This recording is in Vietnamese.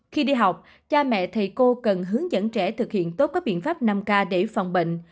khi đi học cha mẹ thầy cô cần hướng dẫn trẻ thực hiện tốt các biện pháp năm k để phòng bệnh